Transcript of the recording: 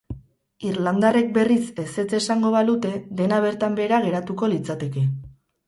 Irlandarrek berriz ezetz esango balute, dena bertan behera geratuko litzateke.